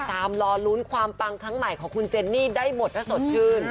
รอลุ้นความปังครั้งใหม่ของคุณเจนนี่ได้หมดถ้าสดชื่น